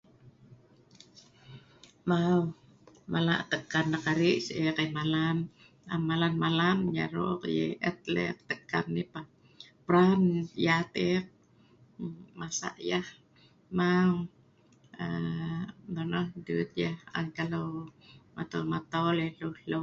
Mau mala' tekan eek, ari' si' eek ai malan, am parap malan yah yaro' eek, et le' eek tekan yah pah, pran yaat eek masa' yah mau um nonoh dut yah, an kalau matol matol yah hleu hleu